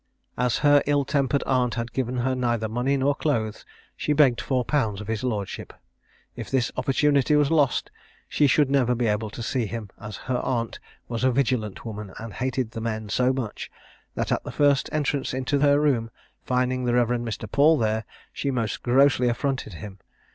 As her ill tempered aunt had given her neither money nor clothes, she begged 4_l._ of his lordship. If this opportunity was lost, she should never be able to see him, as her aunt was a vigilant woman, and hated the men so much, that at the first entrance into her room, finding the Rev. Mr. Paul there, she most grossly affronted him.